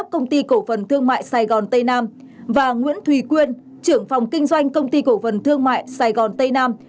công ty cổ phần thương mại sài gòn tây nam và nguyễn thùy quyên trưởng phòng kinh doanh công ty cổ phần thương mại sài gòn tây nam